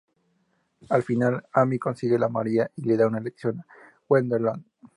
Al final, Amy consigue la mayoría y le da una lección a Gwendolyn.